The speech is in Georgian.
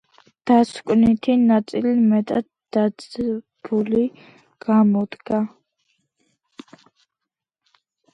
დასკვნითი ნაწილი მეტად დაძბული გამოდგა.